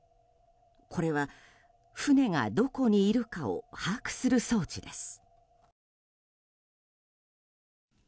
これは、船がどこにいるかを把握する装置です。